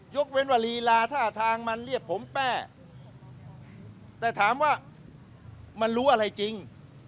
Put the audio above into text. ยกเว้นว่าลีลาท่าทางมันเรียกผมแป้แต่ถามว่ามันรู้อะไรจริง